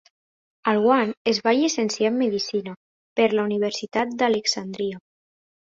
Alwan es va llicenciar en medicina per la Universitat d'Alexandria.